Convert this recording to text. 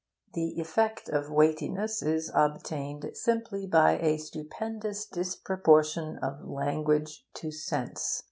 The effect of weightiness is obtained simply by a stupendous disproportion of language to sense.